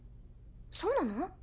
そうなの？